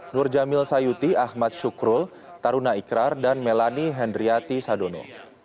nur jamil sayuti ahmad syukrul taruna ikrar dan melani hendriati sadono